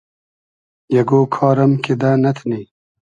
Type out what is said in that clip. اگۉ کار ام کیدہ نئتنی